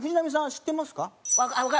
知ってます？